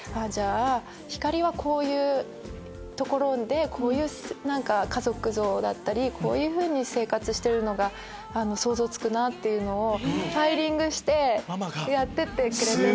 「星はこういうとこでこういう家族像だったりこういうふうに生活してるのが想像つく」っていうのをファイリングしてやってくれて。